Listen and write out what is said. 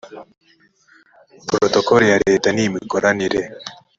porotokole ya leta n imikoranire